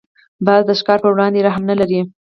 باز د ښکار پر وړاندې رحم نه لري